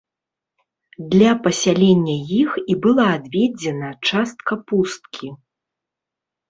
Для пасялення іх і была адведзена частка пусткі.